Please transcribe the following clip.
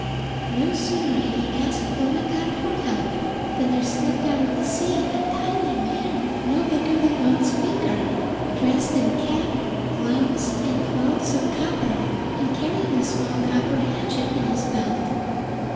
No sooner had he asked Ilmatar for help than there stepped out of the sea a tiny man no bigger than one's finger, dressed in cap, gloves, and clothes of copper, and carrying a small copper hatchet in his belt.